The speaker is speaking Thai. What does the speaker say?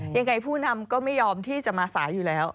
ผู้นำก็ไม่ยอมที่จะมาสายอยู่แล้ว